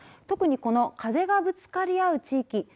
特にこの風がぶつかり合う地域